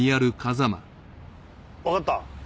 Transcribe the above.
わかった。